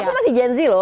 aku masih gen z loh